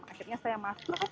akhirnya saya masuk